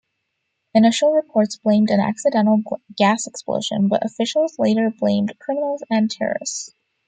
Initial reports blamed an accidental gas explosion, but officials later blamed "criminals" and "terrorists".